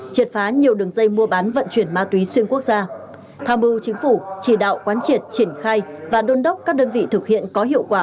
triệt phá nhiều đường dây mua bán vận chuyển ma túy xuyên quốc gia tham mưu chính phủ chỉ đạo quán triệt triển khai và đôn đốc các đơn vị thực hiện có hiệu quả